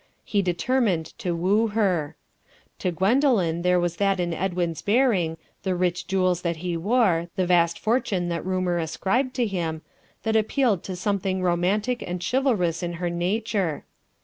He determined to woo her. To Gwendoline there was that in Edwin's bearing, the rich jewels that he wore, the vast fortune that rumour ascribed to him, that appealed to something romantic and chivalrous in her nature.